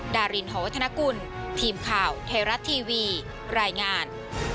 ดารินหอวัฒนกุลทีมข่าวไทยรัฐทีวีรายงาน